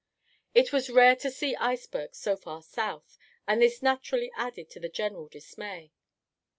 It was rare to see icebergs so far south, and this naturally added to the general dismay.